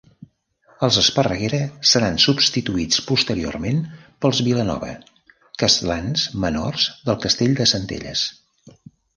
Els Esparreguera seran substituïts posteriorment pels Vilanova, castlans menors del castell de Centelles.